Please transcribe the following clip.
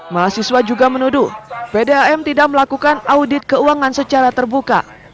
mahasiswa juga menuduh pdam tidak melakukan audit keuangan secara terbuka